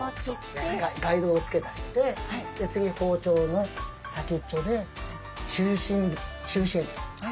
ガイドをつけてあげてで次包丁の先っちょで中心部。